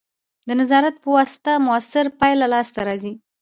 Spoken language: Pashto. د نظارت په واسطه مؤثره پایله لاسته راځي.